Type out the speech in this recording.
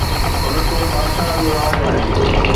ان تي بادشاهن جو راڄ آهي.